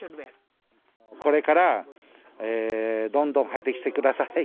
これからどんどん入ってきてください。